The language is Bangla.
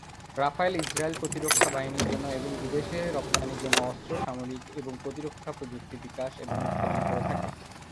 রাফায়েল ইজরায়েল প্রতিরক্ষা বাহিনীর জন্য এবং বিদেশে রপ্তানির জন্য অস্ত্র, সামরিক এবং প্রতিরক্ষা প্রযুক্তি বিকাশ এবং উৎপাদন করে থাকে।